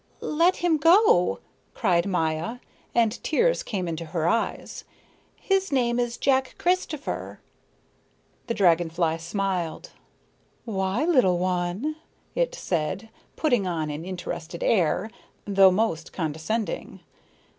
"Let him go," cried Maya, and tears came into her eyes. "His name is Jack Christopher." The dragon fly smiled. "Why, little one?" it said, putting on an interested air, though most condescending.